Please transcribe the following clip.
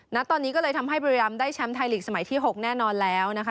ณตอนนี้ก็เลยทำให้บุรีรำได้แชมป์ไทยลีกสมัยที่๖แน่นอนแล้วนะคะ